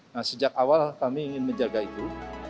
nah sejak awal kami ingin menjaga itu